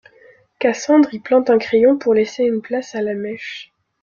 Cassandre y plante un crayon, pour laisser une place à la mèche.